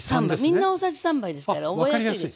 みんな大さじ３杯ですから覚えやすいでしょ。